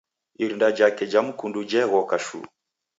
Irinda Jake cha mkundu je ghoka shuu.